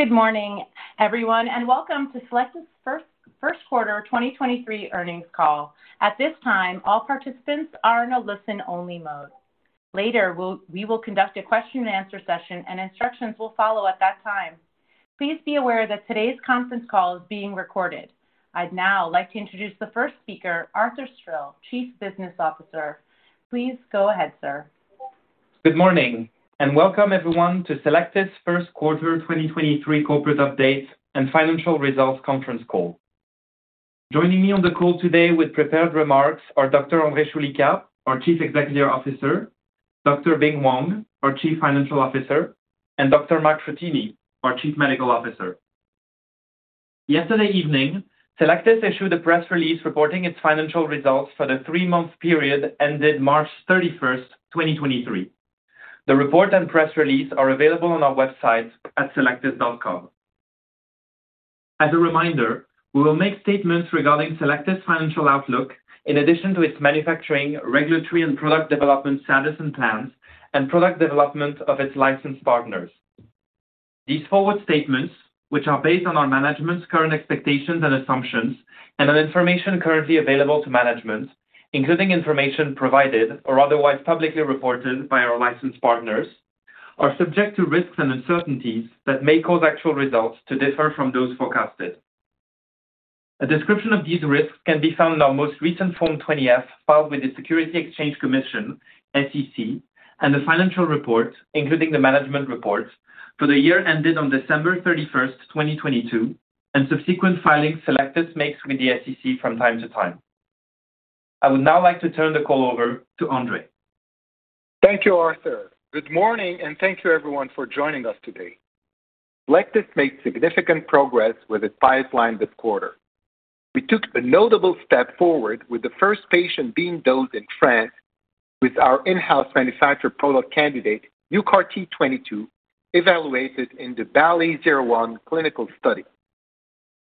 Good morning, everyone, and welcome to Cellectis' Q1 2023 earnings call. At this time, all participants are in a listen-only mode. Later, we will conduct a question and answer session, and instructions will follow at that time. Please be aware that today's conference call is being recorded. I'd now like to introduce the first speaker, Arthur Stril, Chief Business Officer. Please go ahead, sir. Good morning. Welcome everyone to Cellectis' first Q1 2023 corporate update and financial results conference call. Joining me on the call today with prepared remarks are Dr. André Choulika, our Chief Executive Officer, Dr. Bing Wang, our Chief Financial Officer, and Dr. Mark Frattini, our Chief Medical Officer. Yesterday evening, Cellectis issued a press release reporting its financial results for the 3-month period ended March 31, 2023. The report and press release are available on our website at cellectis.com. As a reminder, we will make statements regarding Cellectis' financial outlook, in addition to its manufacturing, regulatory, and product development status and plans and product development of its licensed partners. These forward statements, which are based on our management's current expectations and assumptions and on information currently available to management, including information provided or otherwise publicly reported by our licensed partners, are subject to risks and uncertainties that may cause actual results to differ from those forecasted. A description of these risks can be found in our most recent Form 20-F, filed with the Securities and Exchange Commission, SEC, and the financial report, including the management report for the year ended on December 31st, 2022, and subsequent filings Cellectis makes with the SEC from time to time. I would now like to turn the call over to André. Thank you, Arthur. Good morning, and thank you everyone for joining us today. Cellectis made significant progress with its pipeline this quarter. We took a notable step forward with the first patient being dosed in France with our in-house manufactured product candidate, UCART22, evaluated in the BALLI-01 clinical study.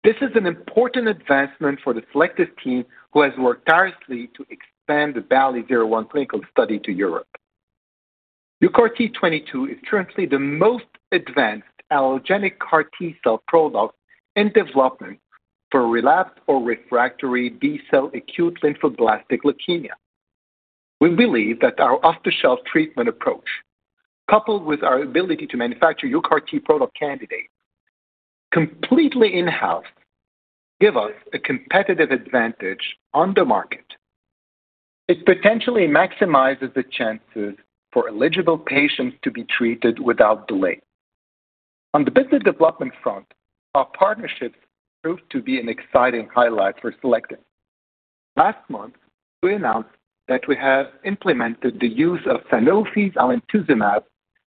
This is an important advancement for the Cellectis team, who has worked tirelessly to expand the BALLI-01 clinical study to Europe. UCART22 is currently the most advanced allogeneic CAR T-cell product in development for relapsed or refractory B-cell acute lymphoblastic leukemia. We believe that our off-the-shelf treatment approach, coupled with our ability to manufacture UCART product candidates completely in-house, give us a competitive advantage on the market. It potentially maximizes the chances for eligible patients to be treated without delay. On the business development front, our partnerships proved to be an exciting highlight for Cellectis. Last month, we announced that we have implemented the use of Sanofi's alemtuzumab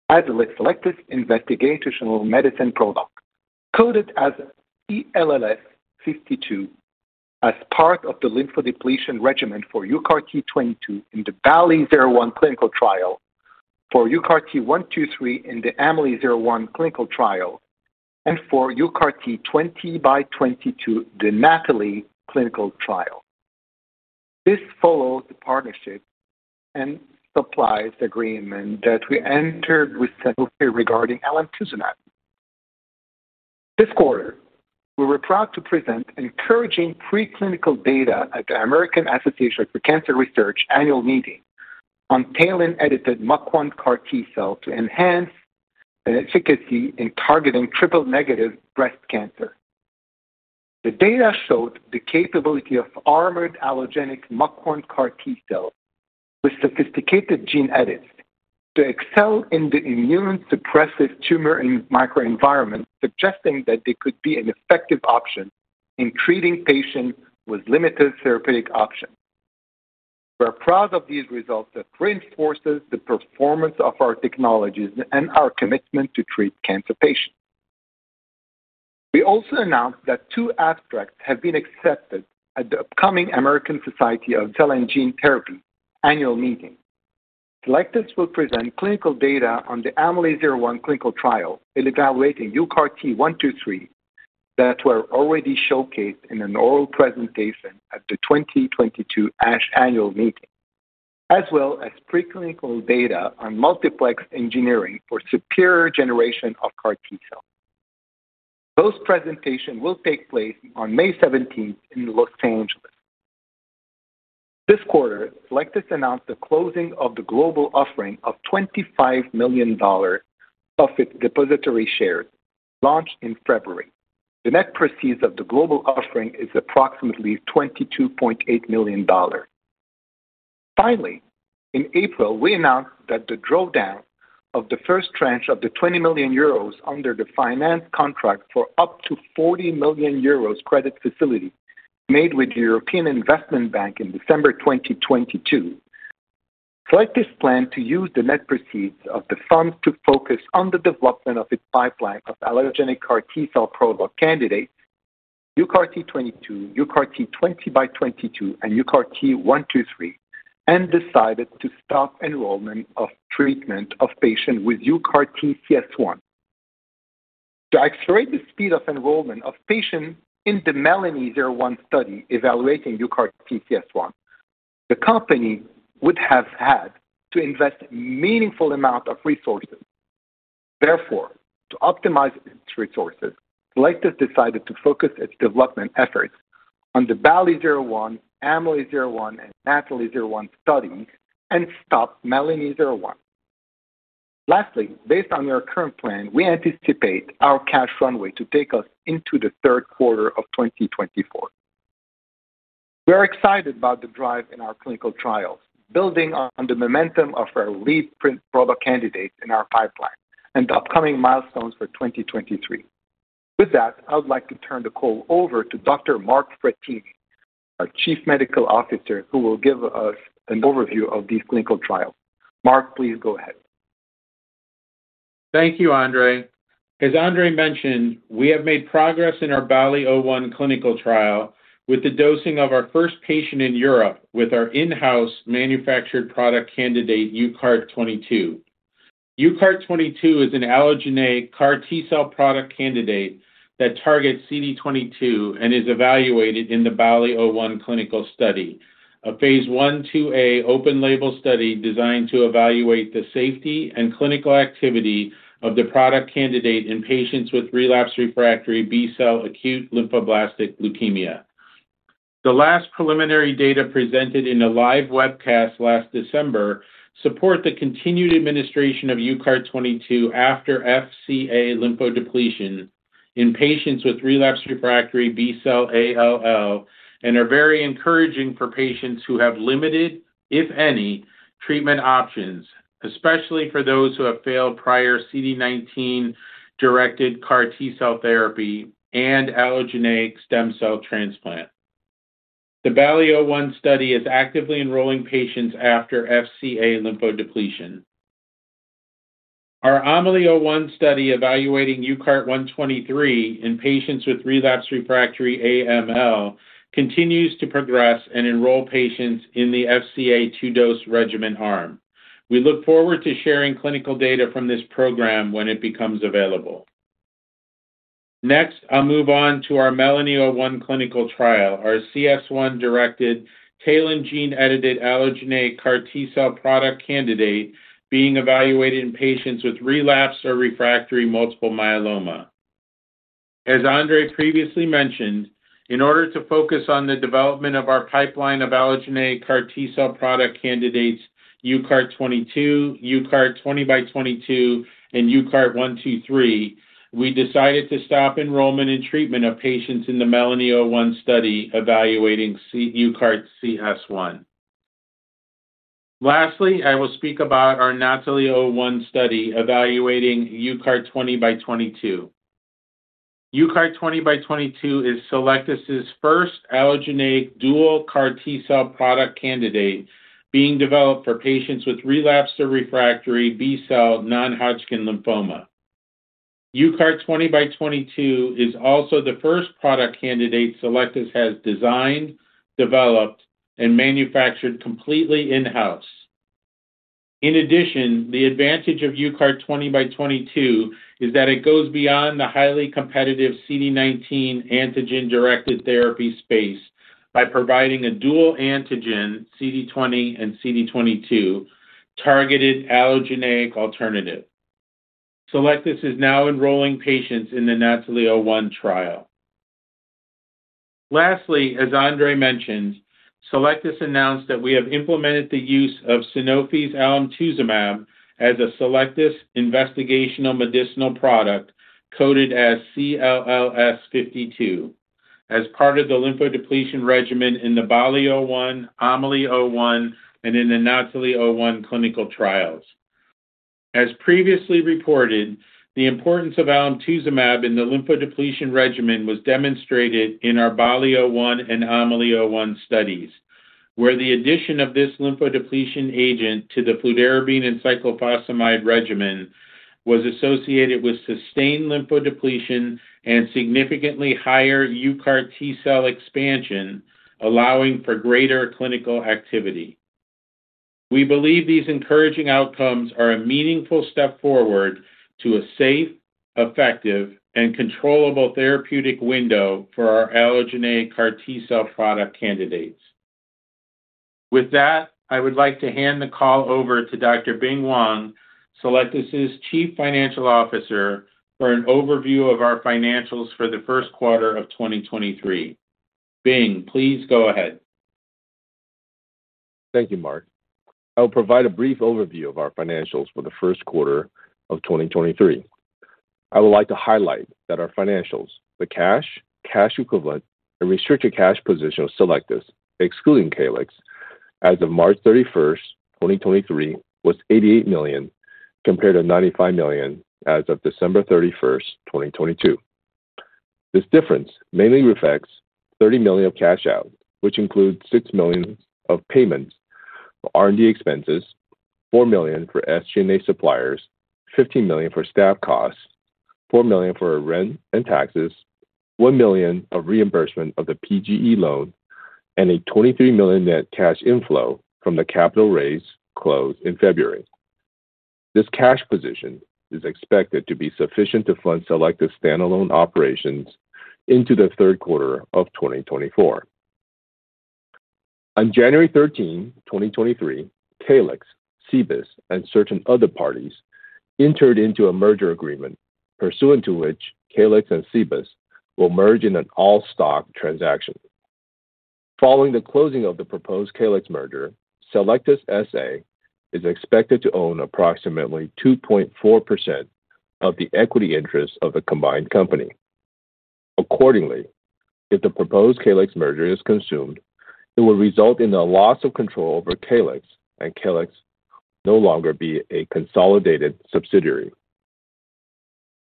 as a Cellectis investigational medicine product, coded as CLLS52, as part of the lymphodepletion regimen for UCART22 in the BALLI-01 clinical trial for UCART123 in the AMELI-01 clinical trial and for UCART20x22, the NATHALI-01 clinical trial. This follows the partnership and supplies agreement that we entered with Sanofi regarding alemtuzumab. This quarter, we were proud to present encouraging preclinical data at the American Association for Cancer Research annual meeting on TALEN-edited MUC1 CAR T-cell to enhance the efficacy in targeting triple-negative breast cancer. The data showed the capability of armored allogeneic MUC1 CAR T-cell with sophisticated gene edits to excel in the immune-suppressive tumor and microenvironment, suggesting that they could be an effective option in treating patients with limited therapeutic options. We're proud of these results that reinforces the performance of our technologies and our commitment to treat cancer patients. We also announced that 2 abstracts have been accepted at the upcoming American Society of Gene & Cell Therapy annual meeting. Cellectis will present clinical data on the AMELI-01 clinical trial in evaluating UCART123 that were already showcased in an oral presentation at the 2022 ASH annual meeting, as well as preclinical data on multiplex engineering for superior generation of CAR T-cell. Those presentations will take place on May 17th in Los Angeles. This quarter, Cellectis announced the closing of the global offering of $25 million of its depository shares launched in February. The net proceeds of the global offering is approximately $22.8 million. Finally, in April, we announced that the drawdown of the first tranche of the 20 million euros under the finance contract for up to 40 million euros credit facility made with European Investment Bank in December 2022. Cellectis plan to use the net proceeds of the funds to focus on the development of its pipeline of allogeneic CAR T-cell product candidates, UCART22, UCART20x22, and UCART123, and decided to stop enrollment of treatment of patients with UCARTCS1. To accelerate the speed of enrollment of patients in the MELANI-01 study evaluating UCARTCS1. The company would have had to invest meaningful amount of resources. Therefore, to optimize its resources, Cellectis decided to focus its development efforts on the BALLI-01, AMELI-01, and NATHALI-01 studies and stop MELANI-01. Lastly, based on our current plan, we anticipate our cash runway to take us into the Q3 of 2024. We're excited about the drive in our clinical trials, building on the momentum of our lead product candidate in our pipeline and upcoming milestones for 2023. With that, I would like to turn the call over to Dr. Mark Frattini, our chief medical officer, who will give us an overview of these clinical trials. Mark, please go ahead. Thank you, Andre. As Andre mentioned, we have made progress in our BALLI-01 clinical trial with the dosing of our first patient in Europe with our in-house manufactured product candidate, UCART22. UCART22 is an allogeneic CAR T-cell product candidate that targets CD22 and is evaluated in the BALLI-01 clinical study, a phase 1/2a open-label study designed to evaluate the safety and clinical activity of the product candidate in patients with relapse refractory B-cell acute lymphoblastic leukemia. The last preliminary data presented in a live webcast last December support the continued administration of UCART22 after FCA lymphodepletion in patients with relapse refractory B-cell ALL, and are very encouraging for patients who have limited, if any, treatment options, especially for those who have failed prior CD19 directed CAR T-cell therapy and allogeneic stem cell transplant. The BALLI-01 study is actively enrolling patients after FCA lymphodepletion. Our AMELI-01 study evaluating UCART123 in patients with relapsed/refractory AML continues to progress and enroll patients in the FCA 2-dose regimen arm. We look forward to sharing clinical data from this program when it becomes available. I'll move on to our MELANI-01 clinical trial, our CS1-directed TALEN gene-edited allogeneic CAR T-cell product candidate being evaluated in patients with relapsed or refractory multiple myeloma. As André previously mentioned, in order to focus on the development of our pipeline of allogeneic CAR T-cell product candidates, UCART22, UCART20x22, and UCART123, we decided to stop enrollment and treatment of patients in the MELANI-01 study evaluating UCARTCS1. I will speak about our NATHALI-01 study evaluating UCART20x22. UCART20x22 is Cellectis' first allogeneic dual CAR T-cell product candidate being developed for patients with relapsed or refractory B-cell non-Hodgkin lymphoma. UCART20x22 is also the first product candidate Cellectis has designed, developed, and manufactured completely in-house. The advantage of UCART20x22 is that it goes beyond the highly competitive CD19 antigen-directed therapy space by providing a dual antigen, CD20 and CD22, targeted allogeneic alternative. Cellectis is now enrolling patients in the NATHALI-01 trial. As André mentioned, Cellectis announced that we have implemented the use of Sanofi's alemtuzumab as a Cellectis investigational medicinal product coded as CLLS52 as part of the lymphodepletion regimen in the BALLI-01, AMELI-01, and in the NATHALI-01 clinical trials. As previously reported, the importance of alemtuzumab in the lymphodepletion regimen was demonstrated in our BALLI-01 and AMELI-01 studies, where the addition of this lymphodepletion agent to the fludarabine and cyclophosphamide regimen was associated with sustained lymphodepletion and significantly higher CAR T-cell expansion, allowing for greater clinical activity. We believe these encouraging outcomes are a meaningful step forward to a safe, effective, and controllable therapeutic window for our allogeneic CAR T-cell product candidates. With that, I would like to hand the call over to Dr. Bing Wang, Cellectis' Chief Financial Officer, for an overview of our financials for the Q1 of 2023. Bing, please go ahead. Thank you, Mark Frattini. I will provide a brief overview of our financials for the Q1 of 2023. I would like to highlight that our financials, the cash equivalent, and restricted cash position of Cellectis, excluding Calyxt, as of March 31st, 2023, was $88 million, compared to $95 million as of December 31st, 2022. This difference mainly reflects $30 million of cash out, which includes $6 million of payments for R&D expenses, $4 million for SG&A suppliers, $15 million for staff costs, $4 million for rent and taxes, $1 million of reimbursement of the PGE loan, and a $23 million net cash inflow from the capital raise closed in February. This cash position is expected to be sufficient to fund Cellectis standalone operations into the Q3 of 2024. On January 13, 2023, Calyxt, CBIS, and certain other parties entered into a merger agreement pursuant to which Calyxt and CBIS will merge in an all-stock transaction. Following the closing of the proposed Calyxt merger, Cellectis S.A. is expected to own approximately 2.4% of the equity interest of the combined company. Accordingly, if the proposed Calyxt merger is consumed, it will result in the loss of control over Calyxt and Calyxt no longer be a consolidated subsidiary.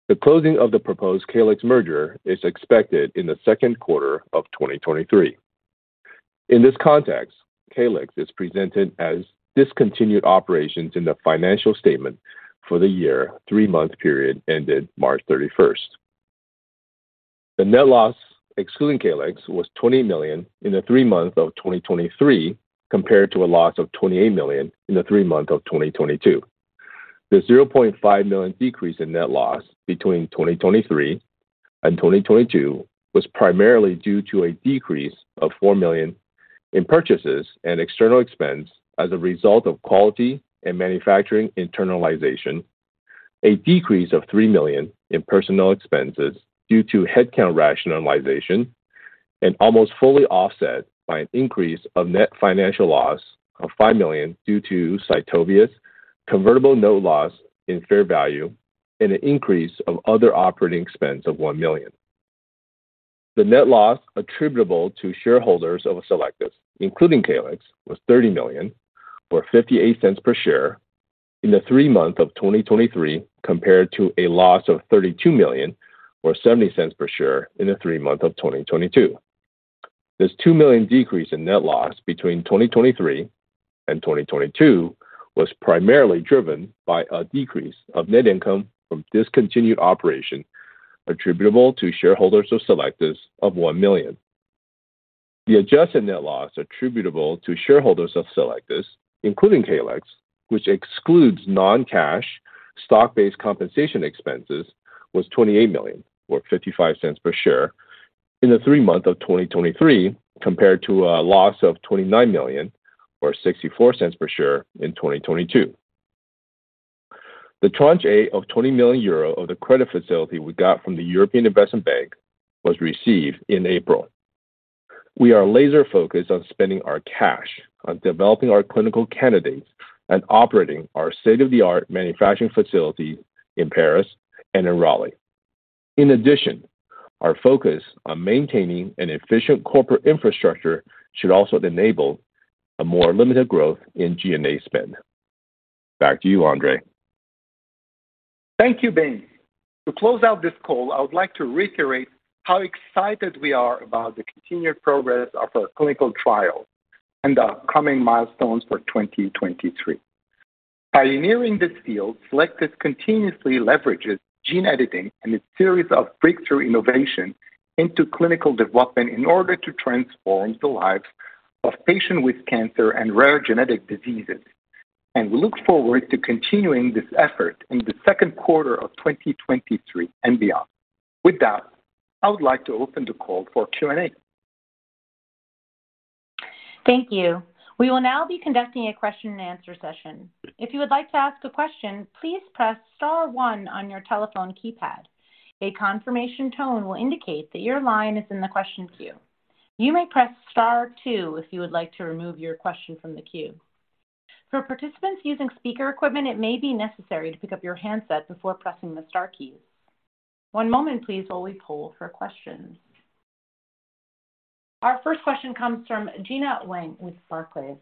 The closing of the proposed Calyxt merger is expected in the Q2 of 2023. In this context, Calyxt is presented as discontinued operations in the financial statement for the year 3-month period ended March 31. The net loss excluding Calyxt was $20 million in the 3 months of 2023 compared to a loss of $28 million in the 3 months of 2022. The $0.5 million decrease in net loss between 2023 and 2022 was primarily due to a decrease of $4 million in purchases and external expense as a result of quality and manufacturing internalization. A decrease of $3 million in personal expenses due to headcount rationalization and almost fully offset by an increase of net financial loss of $5 million due to Cytovia's convertible note loss in fair value and an increase of other operating expense of $1 million. The net loss attributable to shareholders of Cellectis, including Calyxt, was $30 million, or $0.58 per share in the 3 months of 2023, compared to a loss of $32 million or $0.70 per share in the 3 months of 2022. This $2 million decrease in net loss between 2023 and 2022 was primarily driven by a decrease of net income from discontinued operation attributable to shareholders of Cellectis of $1 million. The adjusted net loss attributable to shareholders of Cellectis, including Calyxt, which excludes non-cash stock-based compensation expenses, was $28 million or $0.55 per share in the three months of 2023, compared to a loss of $29 million or $0.64 per share in 2022. The tranche A of 20 million euro of the credit facility we got from the European Investment Bank was received in April. We are laser focused on spending our cash on developing our clinical candidates and operating our state-of-the-art manufacturing facilities in Paris and in Raleigh. In addition, our focus on maintaining an efficient corporate infrastructure should also enable a more limited growth in G&A spend. Back to you, André. Thank you, Bing. To close out this call, I would like to reiterate how excited we are about the continued progress of our clinical trials and the upcoming milestones for 2023. Pioneering this field, Cellectis continuously leverages gene editing and a series of breakthrough innovation into clinical development in order to transform the lives of patients with cancer and rare genetic diseases, we look forward to continuing this effort in the Q2 of 2023 and beyond. With that, I would like to open the call for Q&A. Thank you. We will now be conducting a question and answer session. If you would like to ask a question, please press star one on your telephone keypad. A confirmation tone will indicate that your line is in the question queue. You may press star two if you would like to remove your question from the queue. For participants using speaker equipment, it may be necessary to pick up your handset before pressing the star keys. One moment, please, while we poll for questions. Our first question comes from Gena Wang with Barclays.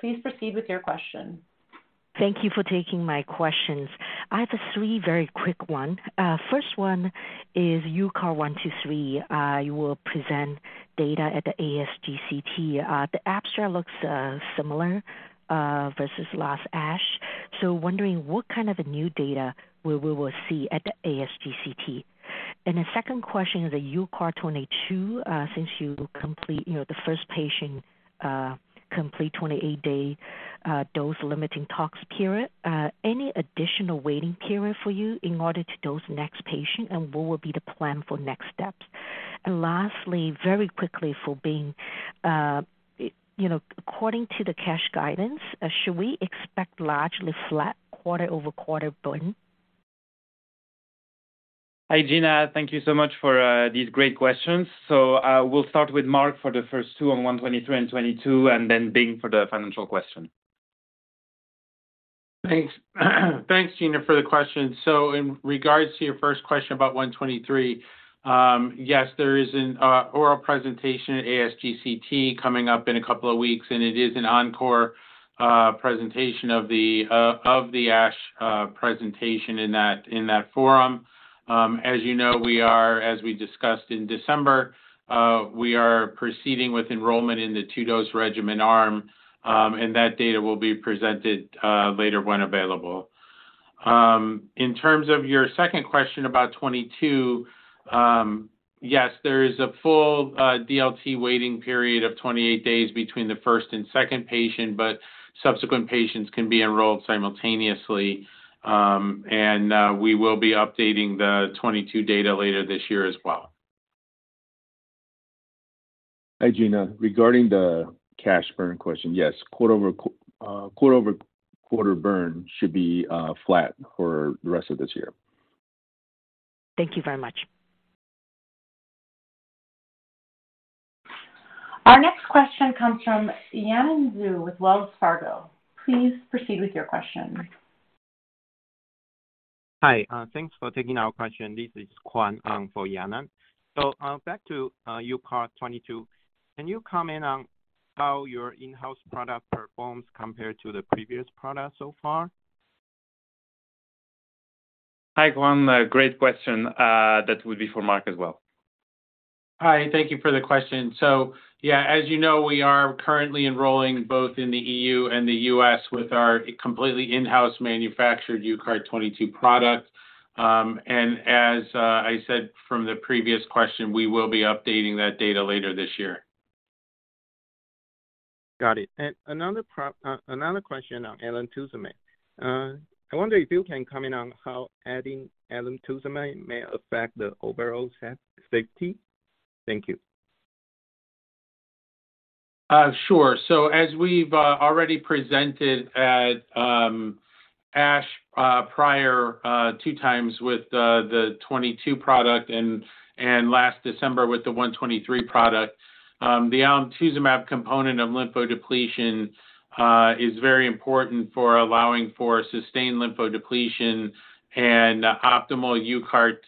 Please proceed with your question. Thank you for taking my questions. I have three very quick one. First one is UCART123. You will present data at the ASGCT. The abstract looks similar versus last ASH. Wondering what kind of a new data we will see at the ASGCT. The second question is the UCART22. Since you complete, you know, the first patient, complete 28 day, dose limiting tox period, any additional waiting period for you in order to dose next patient? What will be the plan for next steps? Lastly, very quickly for Bing, you know, according to the cash guidance, should we expect largely flat quarter-over-quarter burn? Hi, Gena. Thank you so much for these great questions. We'll start with Mark for the first two on UCART123 and UCART22 and then Bing for the financial question. Thanks. Thanks Gena, for the question. In regards to your first question about UCART123, yes, there is an oral presentation at ASGCT coming up in a couple of weeks, and it is an encore presentation of the ASH presentation in that, in that forum. As you know, we are, as we discussed in December, we are proceeding with enrollment in the 2-dose regimen arm, and that data will be presented later when available. In terms of your second question about UCART22, yes, there is a full DLT waiting period of 28 days between the first and second patient, but subsequent patients can be enrolled simultaneously. We will be updating the UCART22 data later this year as well. Hi, Gena. Regarding the cash burn question, yes, quarter-over-quarter burn should be flat for the rest of this year. Thank you very much. Our next question comes from Yanan Zhu with Wells Fargo. Please proceed with your question. Hi. Thanks for taking our question. This is Kwan for Yannan. Back to UCART22, can you comment on how your in-house product performs compared to the previous product so far? Hi, Kwan. Great question. That would be for Mark as well. Hi. Thank you for the question. Yeah, as you know, we are currently enrolling both in the EU and the US with our completely in-house manufactured UCART22 product. As I said from the previous question, we will be updating that data later this year. Got it. Another question on alemtuzumab. I wonder if you can comment on how adding alemtuzumab may affect the overall safety. Thank you. Sure. So as we've already presented at ASH, prior, two times with the 22 product and last December with the 123 product, the alemtuzumab component of lymphodepletion is very important for allowing for sustained lymphodepletion and optimal UCART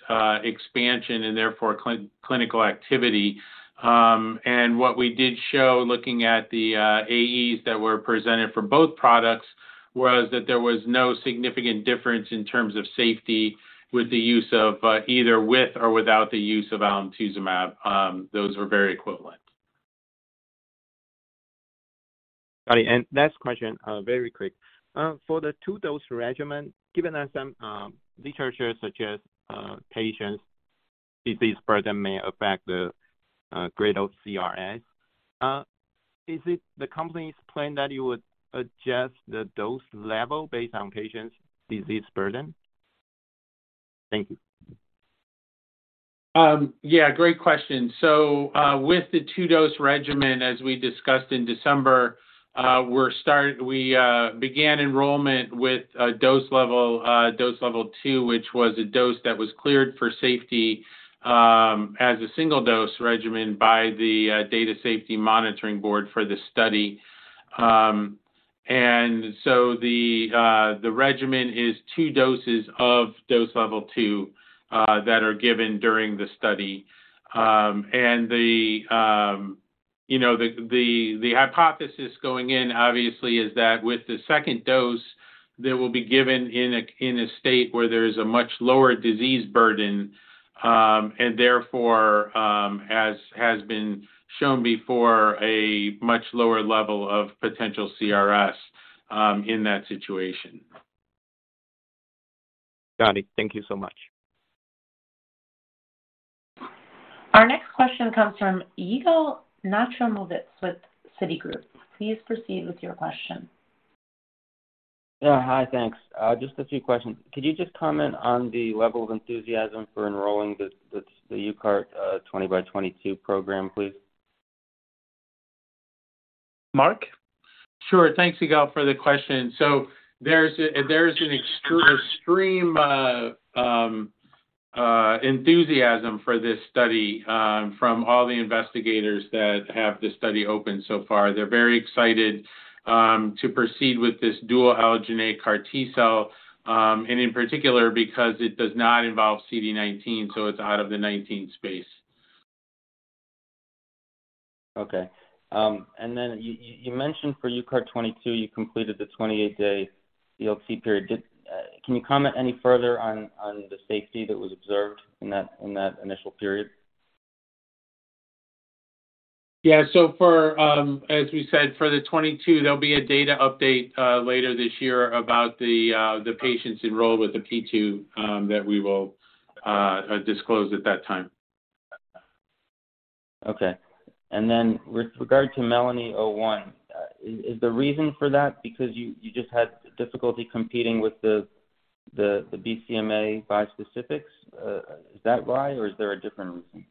expansion and therefore clinical activity. And what we did show, looking at the AEs that were presented for both products, was that there was no significant difference in terms of safety with the use of either with or without the use of alemtuzumab. Those were very equivalent. Got it. Last question, very quick. For the two-dose regimen, given that some literature suggest patient's disease burden may affect the grade of CRS, is it the company's plan that you would adjust the dose level based on patient's disease burden? Thank you. Yeah, great question. With the 2-dose regimen, as we discussed in December, We began enrollment with a dose level, dose level 2, which was a dose that was cleared for safety as a single-dose regimen by the Data Safety Monitoring Board for the study. The regimen is 2 doses of dose level 2 that are given during the study. You know, the hypothesis going in, obviously, is that with the second dose that will be given in a state where there is a much lower disease burden, and therefore, as has been shown before, a much lower level of potential CRS in that situation. Got it. Thank you so much. Our next question comes from Yigal Nochomovitz with Citigroup. Please proceed with your question. Yeah. Hi. Thanks. Just a few questions. Could you just comment on the level of enthusiasm for enrolling the UCART20x22 program, please? Mark? Sure. Thanks, Yigal, for the question. There's an extreme enthusiasm for this study from all the investigators that have the study open so far. They're very excited to proceed with this dual allogeneic CAR T-cell, and in particular because it does not involve CD19, so it's out of the 19 space. You mentioned for UCART22 you completed the 28-day EOC period. Can you comment any further on the safety that was observed in that initial period? Yeah. For, as we said, for the 22, there'll be a data update later this year about the patients enrolled with the P2 that we will disclose at that time. Okay. Then with regard to MELANI-01, is the reason for that because you just had difficulty competing with the BCMA bispecifics? Is that why? Or is there a different reason?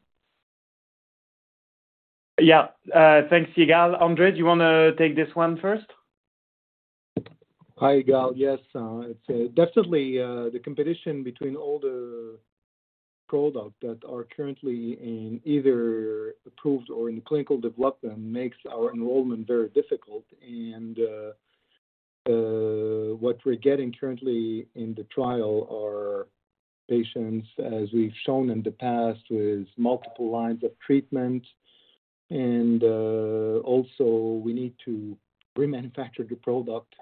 Yeah. thanks, Yigal. Andre, do you wanna take this one first? Hi, Yigal. Yes. It's definitely the competition between all the products that are currently in either approved or in clinical development makes our enrollment very difficult. What we're getting currently in the trial are patients, as we've shown in the past, with multiple lines of treatment. Also we need to remanufacture the product.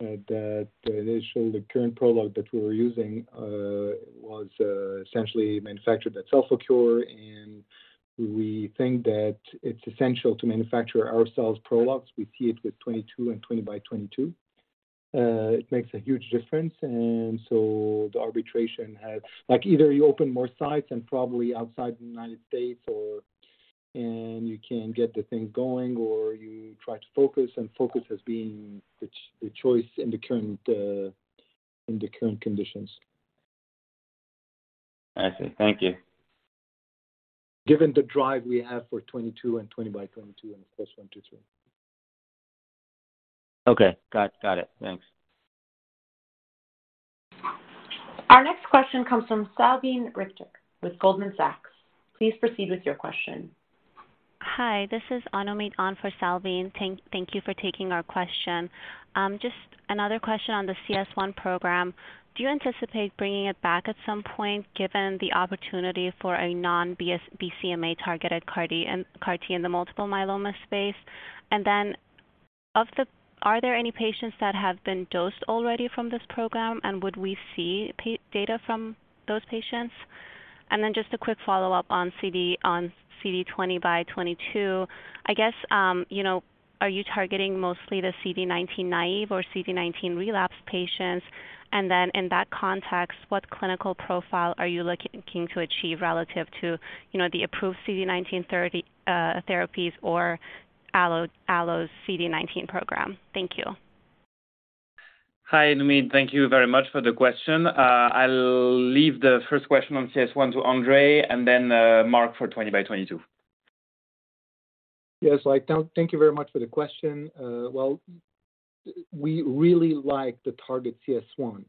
That initially the current product that we were using was essentially manufactured at CellforCure, and we think that it's essential to manufacture ourselves products. We see it with 22 and 20x22. It makes a huge difference. The arbitration has... Like, either you open more sites and probably outside the United States or you can get the thing going or you try to focus, and focus has been the choice in the current conditions. I see. Thank you. Given the drive we have for UCART22 and UCART20x22 and of course UCART123. Okay. Got it. Thanks. Our next question comes from Salveen Richter with Goldman Sachs. Please proceed with your question. Hi, this is Anupam Vaziri on for Salveen Richter. Thank you for taking our question. Just another question on the CS1 program. Do you anticipate bringing it back at some point, given the opportunity for a non-BCMA-targeted CAR-T and CAR-T in the multiple myeloma space? Are there any patients that have been dosed already from this program? Would we see data from those patients? Just a quick follow-up on CD 20 by 22. I guess, you know, are you targeting mostly the CD19 naive or CD19 relapse patients? In that context, what clinical profile are you looking to achieve relative to, you know, the approved CD19 thirty therapies or allo's CD19 program? Thank you. Hi, Anoumid. Thank you very much for the question. I'll leave the first question on CS1 to André and then, Mark for Twenty by Twenty-Two. Thank you very much for the question. Well, we really like the target CS1,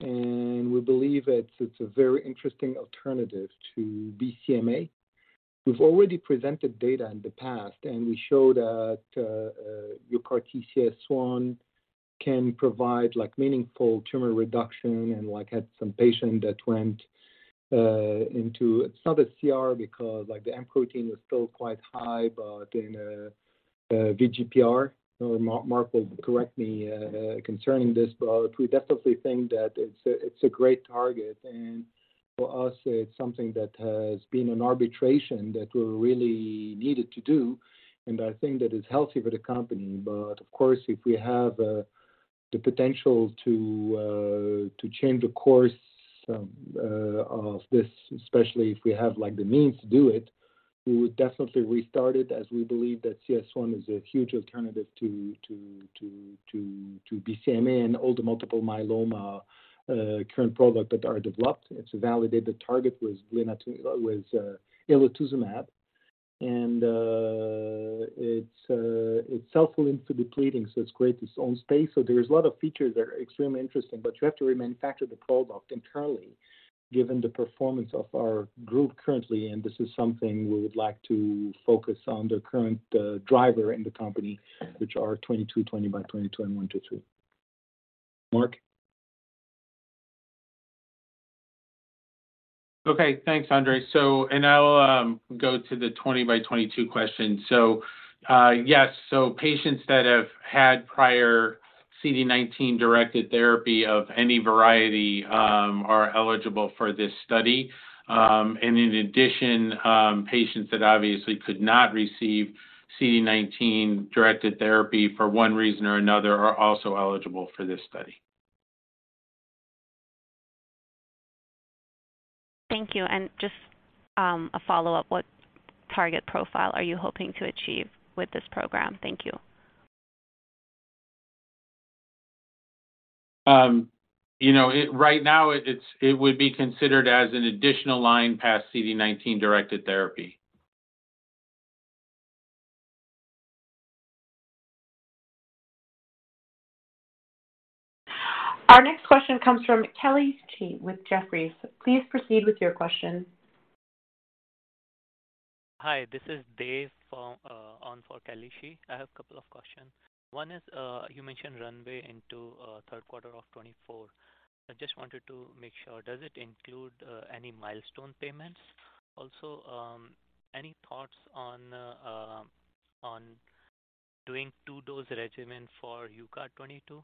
and we believe it's a very interesting alternative to BCMA. We've already presented data in the past, and we showed that your CAR T CS1 can provide meaningful tumor reduction and had some patient that went into. It's not a CR because the M protein is still quite high, but in VGPR, or Mark will correct me concerning this, but we definitely think that it's a great target. For us, it's something that has been an arbitration that we really needed to do, and I think that it's healthy for the company. Of course, if we have the potential to change the course of this, especially if we have, like, the means to do it, we would definitely restart it as we believe that CS1 is a huge alternative to BCMA and all the multiple myeloma current product that are developed. It's a validated target with elotuzumab. It's self-limited depleting, so it's great its own space. There is a lot of features that are extremely interesting, but you have to remanufacture the product entirely given the performance of our group currently. This is something we would like to focus on the current driver in the company, which are 22, 20 by 22, and 123. Mark? Okay. Thanks, André. I'll go to the Twenty by Twenty-Two question. Yes. Patients that have had prior CD19-directed therapy of any variety, are eligible for this study. In addition, patients that obviously could not receive CD19-directed therapy for one reason or another are also eligible for this study. Thank you. Just, a follow-up. What target profile are you hoping to achieve with this program? Thank you. you know, right now, it's, it would be considered as an additional line past CD19-directed therapy. Our next question comes from Kelly Shi with Jefferies. Please proceed with your question. Hi. This is Dave for on for Kelly Shi. I have a couple of questions. One is, you mentioned runway into Q3 of 2024. I just wanted to make sure, does it include any milestone payments? Also, any thoughts on doing two-dose regimen for UCART22?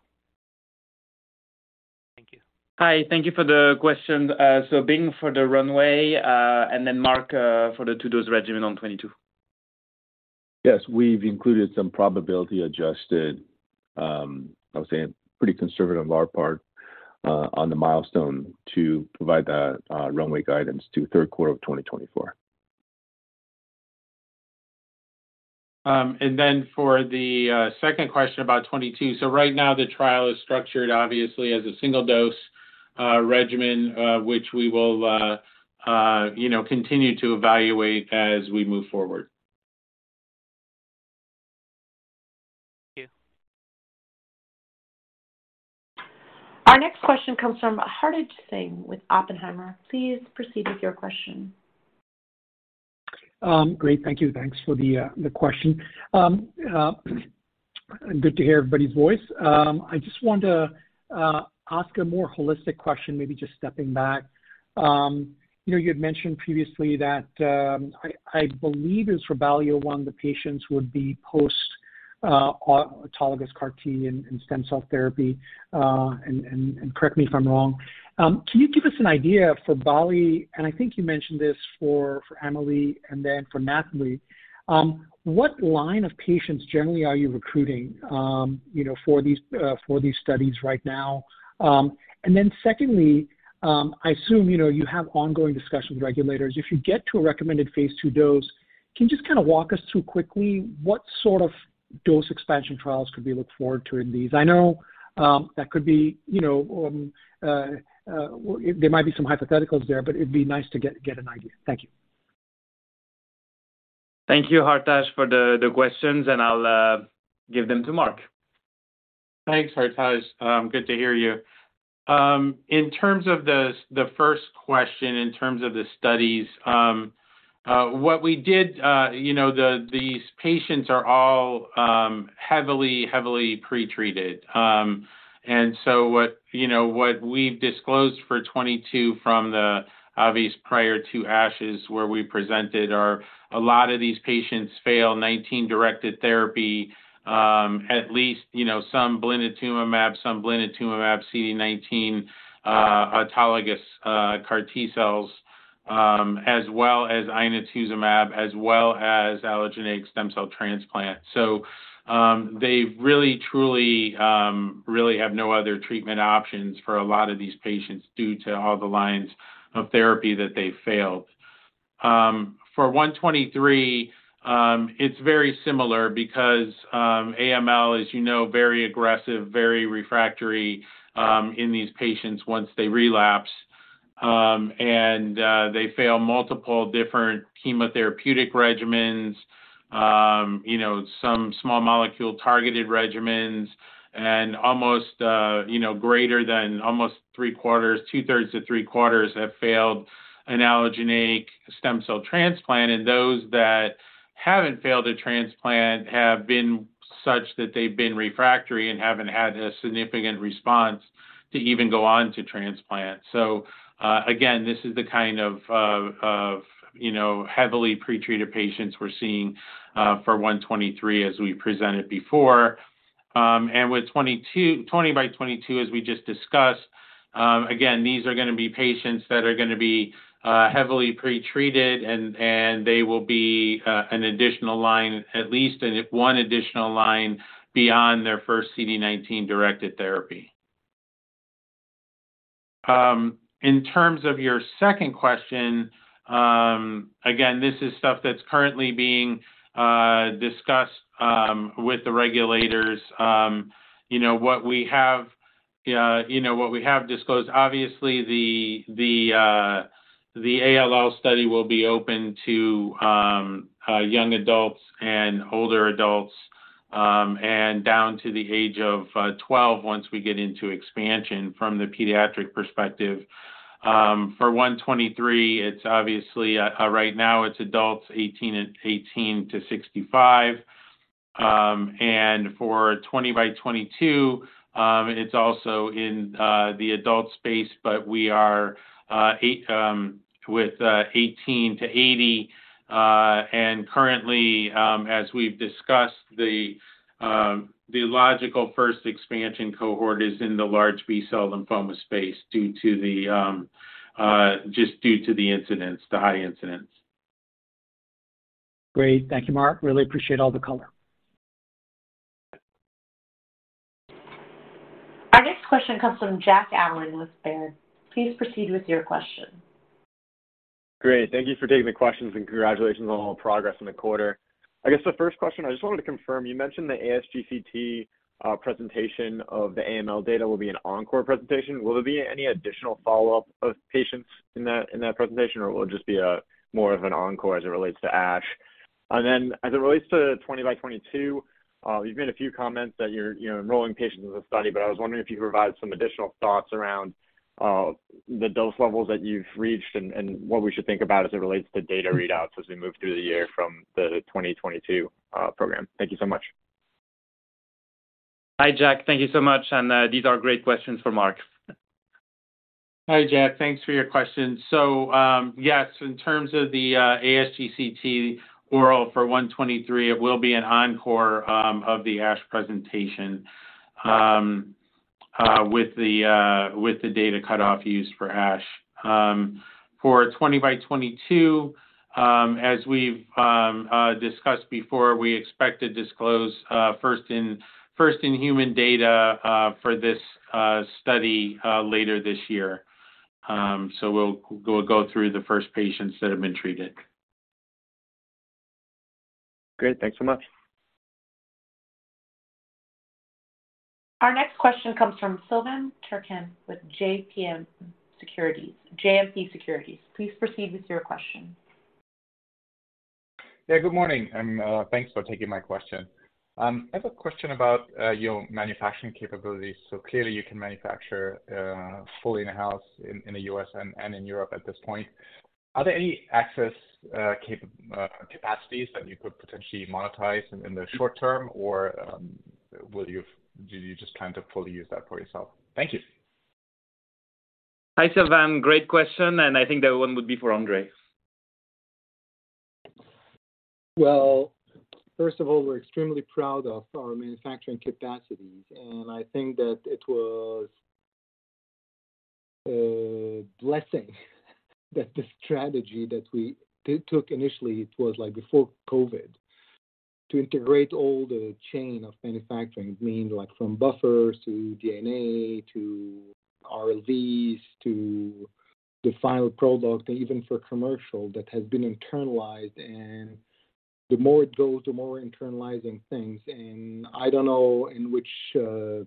Thank you. Hi. Thank you for the question. So Bing for the runway, and then Mark, for the two-dose regimen on 22. Yes. We've included some probability adjusted, I would say a pretty conservative large part, on the milestone to provide that, runway guidance to Q3 of 2024. For the second question about 22. Right now the trial is structured obviously as a single-dose regimen, which we will, you know, continue to evaluate as we move forward. Thank you. Our next question comes from Hartaj Singh with Oppenheimer. Please proceed with your question. Great. Thank you. Thanks for the question. Good to hear everybody's voice. I just want to ask a more holistic question, maybe just stepping back. You know, you had mentioned previously that, I believe it was for BALLI-01, the patients would be post autologous CAR T and stem cell therapy, and correct me if I'm wrong. Can you give us an idea for BALLI-01, and I think you mentioned this for AMELI-01 and then for NATHALI-01? What line of patients generally are you recruiting, you know, for these, for these studies right now? Secondly, I assume, you know, you have ongoing discussions with regulators. If you get to a recommended phase 2 dose, can you just kind of walk us through quickly what sort of dose expansion trials could we look forward to in these? I know that could be, you know, there might be some hypotheticals there, but it'd be nice to get an idea. Thank you. Thank you, Hartaj Singh, for the questions, and I'll give them to Mark. Thanks, Hartaj. Good to hear you. In terms of the first question, in terms of the studies, what we did, you know, these patients are all heavily pre-treated. What, you know, what we've disclosed for UCART22 from the obvious prior to ASH where we presented are a lot of these patients fail CD19 directed therapy, at least, you know, some blended tumor maps, some blended tumor map CD19, autologous CAR T-cells, as well as inotuzumab, as well as allogeneic stem cell transplant. They really, truly, really have no other treatment options for a lot of these patients due to all the lines of therapy that they failed. For UCART123, it's very similar because AML is, you know, very aggressive, very refractory in these patients once they relapse. They fail multiple different chemotherapeutic regimens, you know, some small molecule targeted regimens and almost, you know, greater than almost Q3, Q2-Q3 to Q3 have failed an allogeneic stem cell transplant. Those that haven't failed a transplant have been such that they've been refractory and haven't had a significant response to even go on to transplant. Again, this is the kind of, you know, heavily pre-treated patients we're seeing for UCART123, as we presented before. With 22, 20x22, as we just discussed, again, these are going to be patients that are going to be heavily pre-treated and they will be an additional line, at least 1 additional line beyond their first CD19 directed therapy. In terms of your second question, again, this is stuff that's currently being discussed with the regulators. You know what we have, you know, what we have disclosed, obviously the ALL study will be open to young adults and older adults, and down to the age of 12 once we get into expansion from the pediatric perspective. For UCART123, it's obviously right now it's adults 18-65. For UCART20x22, it's also in the adult space, but we are with 18 to 80. Currently, as we've discussed, the logical first expansion cohort is in the large B-cell lymphoma space just due to the incidents, the high incidents. Great. Thank you, Mark. Really appreciate all the color. Our next question comes from Jack Allen with Baird. Please proceed with your question. Great. Thank you for taking the questions, congratulations on all the progress in the quarter. I guess the first question, I just wanted to confirm, you mentioned the ASGCT presentation of the AML data will be an encore presentation. Will there be any additional follow-up of patients in that, in that presentation, or will it just be a more of an encore as it relates to ASH? As it relates to 20x22, you've made a few comments that you're, you know, enrolling patients in the study, but I was wondering if you could provide some additional thoughts around the dose levels that you've reached and what we should think about as it relates to data readouts as we move through the year from the 20x22 program. Thank you so much. Hi, Jack. Thank you so much. These are great questions for Mark. Hi, Jack. Thanks for your questions. Yes, in terms of the ASGCT oral for UCART123, it will be an encore of the ASH presentation with the data cutoff used for ASH. For UCART20x22, as we've discussed before, we expect to disclose first in human data for this study later this year. We'll go through the first patients that have been treated. Great. Thanks so much. Our next question comes from Silvan Tuerkcan with JMP Securities. Please proceed with your question. Good morning, thanks for taking my question. I have a question about your manufacturing capabilities. Clearly you can manufacture fully in-house in the U.S. and in Europe at this point. Are there any excess capacities that you could potentially monetize in the short term, or do you just plan to fully use that for yourself? Thank you. Hi, Silvan. Great question, and I think that one would be for André. Well, first of all, we're extremely proud of our manufacturing capacities, and I think that. Blessing that the strategy that we took initially, it was like before COVID, to integrate all the chain of manufacturing. It means like from buffers to DNA to RLVs to the final product, and even for commercial that has been internalized. The more it goes, the more internalizing things. I don't know in which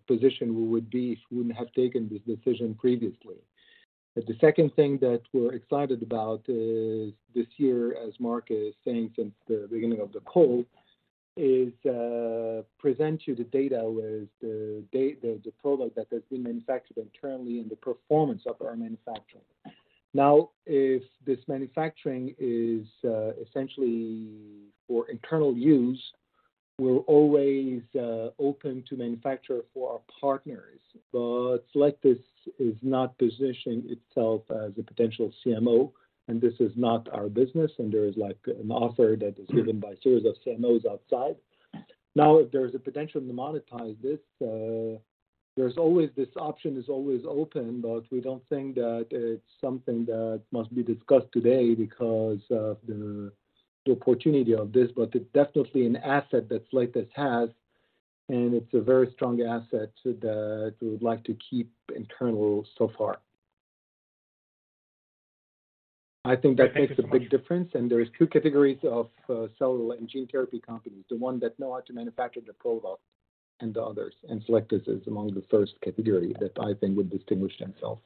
position we would be if we wouldn't have taken this decision previously. The second thing that we're excited about is this year, as Mark is saying since the beginning of the call, is present you the data with the product that has been manufactured internally and the performance of our manufacturing. If this manufacturing is essentially for internal use, we're always open to manufacture for our partners. Selecta is not positioning itself as a potential CMO, and this is not our business, and there is like an offer that is given by series of CMOs outside. If there is a potential to monetize this option is always open, but we don't think that it's something that must be discussed today because of the opportunity of this. It's definitely an asset that Selecta has, and it's a very strong asset that we would like to keep internal so far. I think that makes a big difference, and there is two categories of cellular and gene therapy companies, the one that know how to manufacture the product and the others. Selecta is among the first category that I think would distinguish themselves.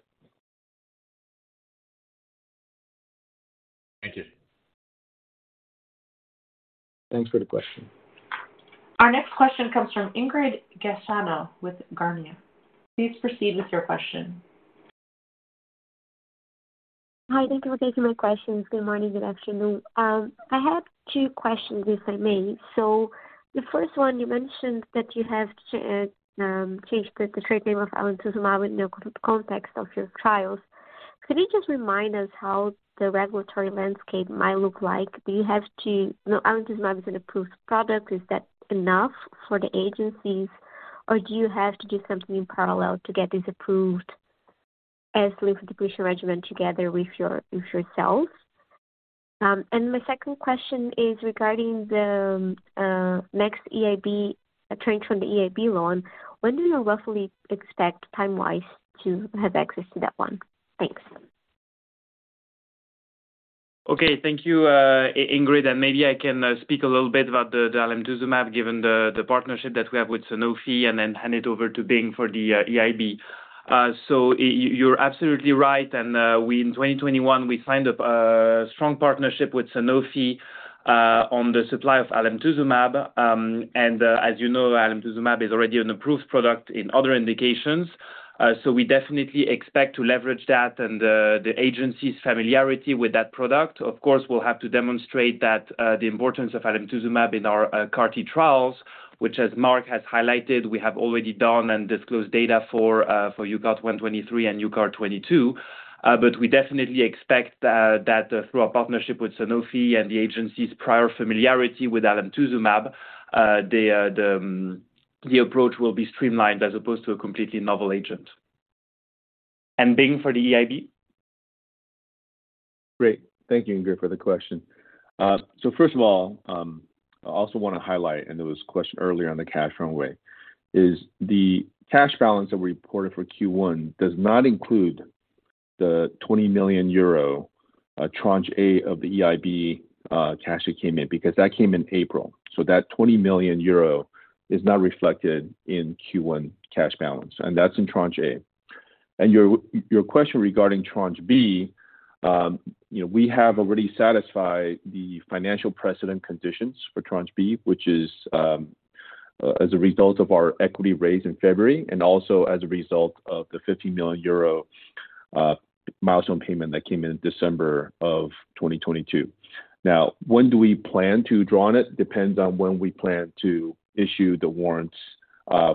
Thank you. Thanks for the question. Our next question comes from Ingrid Gafanhao with Kempen. Please proceed with your question. Hi. Thank you for taking my questions. Good morning. Good afternoon. I have 2 questions, if I may. The first one, you mentioned that you have changed the trade name of alemtuzumab in the context of your trials. Could you just remind us how the regulatory landscape might look like? You know, alemtuzumab is an approved product. Is that enough for the agencies, or do you have to do something in parallel to get this approved as lymphodepletion regimen together with your cells? My second question is regarding the next EIB tranche from the EIB loan. When do you roughly expect time-wise to have access to that one? Thanks. Okay. Thank you, Ingrid, maybe I can speak a little bit about the alemtuzumab given the partnership that we have with Sanofi and then hand it over to Bing for the EIB. You're absolutely right, in 2021, we signed a strong partnership with Sanofi on the supply of alemtuzumab. As you know, alemtuzumab is already an approved product in other indications, we definitely expect to leverage that and the agency's familiarity with that product. Of course, we'll have to demonstrate that the importance of alemtuzumab in our CAR-T trials, which as Mark has highlighted, we have already done and disclosed data for UCART123 and UCART22. We definitely expect that through our partnership with Sanofi and the agency's prior familiarity with alemtuzumab, the approach will be streamlined as opposed to a completely novel agent. Bing for the EIB. Great. Thank you, Ingrid, for the question. First of all, I also wanna highlight, there was a question earlier on the cash runway, is the cash balance that we reported for Q1 does not include the 20 million euro tranche A of the EIB cash that came in, because that came in April. That 20 million euro is not reflected in Q1 cash balance, that's in tranche A. Your question regarding tranche B, you know, we have already satisfied the financial precedent conditions for tranche B, which is as a result of our equity raise in February and also as a result of the 50 million euro milestone payment that came in December of 2022. When do we plan to draw on it depends on when we plan to issue the warrants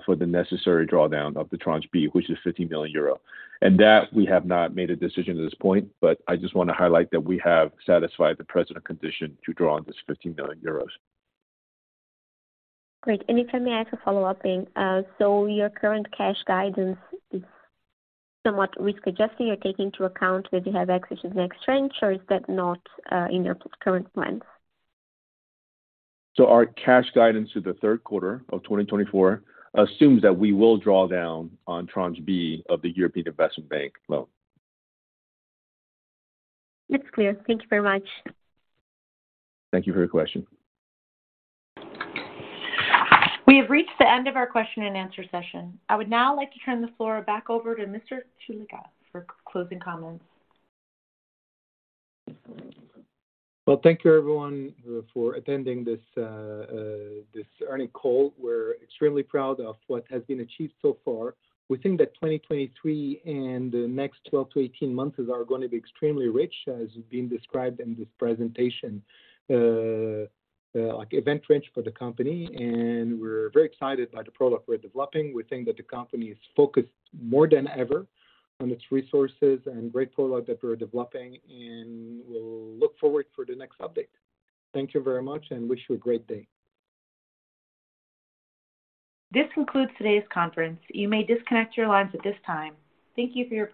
for the necessary drawdown of the tranche B, which is 50 million euro. That we have not made a decision at this point, but I just wanna highlight that we have satisfied the precedent condition to draw on this 50 million euros. Great. If I may ask a follow-up, Bing. Your current cash guidance is somewhat risk adjusting or taking into account that you have access to the next tranche, or is that not in your current plans? Our cash guidance through the Q3 of 2024 assumes that we will draw down on tranche B of the European Investment Bank loan. It's clear. Thank you very much. Thank you for your question. We have reached the end of our question and answer session. I would now like to turn the floor back over to Mr. Choulika for closing comments. Well, thank you everyone for attending this earning call. We're extremely proud of what has been achieved so far. We think that 2023 and the next 12-18 months are gonna be extremely rich, as being described in this presentation, like event rich for the company, and we're very excited by the product we're developing. We think that the company is focused more than ever on its resources and great product that we're developing, and we'll look forward for the next update. Thank you very much, and wish you a great day. This concludes today's conference. You may disconnect your lines at this time. Thank you for your participation.